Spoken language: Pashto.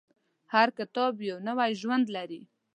هر کتاب یو نوی ژوند لري.